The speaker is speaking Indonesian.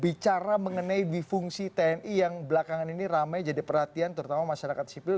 bicara mengenai difungsi tni yang belakangan ini ramai jadi perhatian terutama masyarakat sipil